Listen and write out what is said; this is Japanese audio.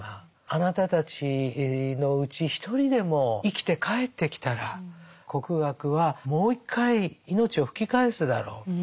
あなたたちのうち一人でも生きて帰ってきたら国学はもう一回命を吹き返すだろう」。